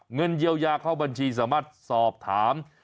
เงินเยียวยาเข้าบัญชีสามารถสอบถาม